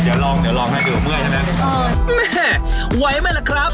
เดี๋ยวลองเดี๋ยวลองให้ดูเมื่อยใช่ไหมเออแม่ไหวไหมล่ะครับ